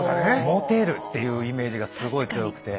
モテるっていうイメージがすごい強くて。